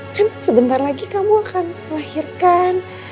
kan sebentar lagi kamu akan melahirkan